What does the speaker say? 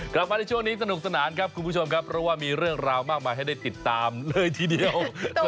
กลับมาในช่วงนี้สนุกสนานครับคุณผู้ชมครับเพราะว่ามีเรื่องราวมากมายให้ได้ติดตามเลยทีเดียว